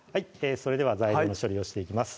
それでは材料の処理をしていきます